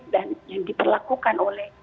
dan yang diperlakukan oleh